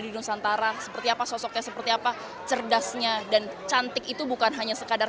di nusantara seperti apa sosoknya seperti apa cerdasnya dan cantik itu bukan hanya sekadar